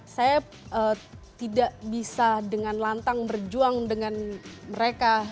saya tidak bisa dengan lantang berjuang dengan mereka